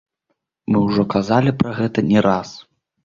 Мы ўжо казалі пра гэта не раз.